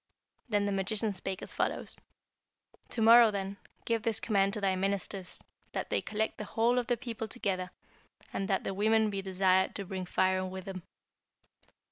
Then the magician spake as follows: 'To morrow, then, give this command to thy ministers, that they collect the whole of the people together, and that the women be desired to bring firing with them.'